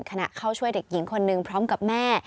ขณะเข้าช่วยเด็กหญิงคนหนึ่งพร้อมกับแม่